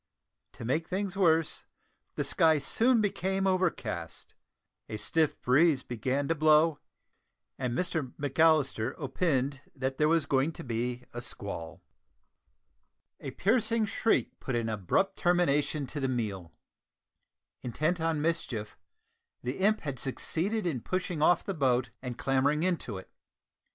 To make things worse, the sky soon became overcast, a stiff breeze began to blow, and Mr McAllister "opined" that there was going to be a squall. A piercing shriek put an abrupt termination to the meal! Intent on mischief; the imp had succeeded in pushing off the boat and clambering into it.